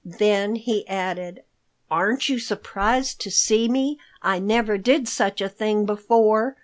Then he added, "Aren't you surprised to see me? I never did such a thing before.